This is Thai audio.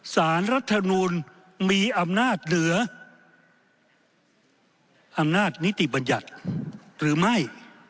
สารรัฐมนูลมีอำนาจเหลืออำนาจนิติบัญญัติหรือไม่